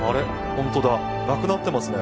ホントだなくなってますね